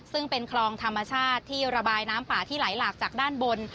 ซึ่งเป็นคลองธรรมชาติที่ระบายน้ำป่าที่ไหลหลากจากด้านบน